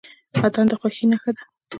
اتن د خوښۍ نښه ده.